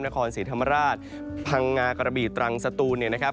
นครศรีธรรมราชพังงากระบีตรังสตูนเนี่ยนะครับ